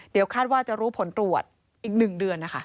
เดี๋ยวคาดว่าจะรู้ผลตรวจอีก๑เดือนนะคะ